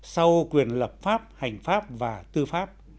sau quyền lập pháp hành pháp và tư pháp